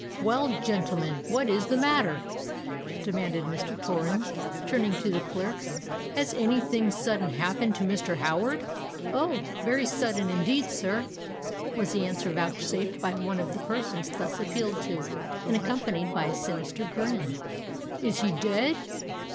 "Well, gentlemen, what is the matter?" demanded Mr. Torrens, turning to the clerks. "Has any thing sudden happened to Mr. Howard?" "Oh! very sudden indeed, sir," was the answer vouchsafed by one of the persons thus appealed to, and accompanied by a sinister grin. "Is he dead?"